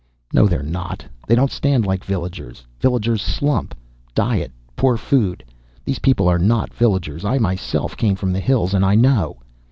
"No, they're not. They don't stand like villagers. Villagers slump diet, poor food. These people are not villagers. I myself came from the hills, and I know."